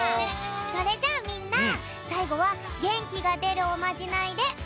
それじゃあみんなさいごはげんきがでるおまじないでおわかれだよ。